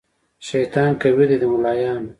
شیطان قوي دی د ملایانو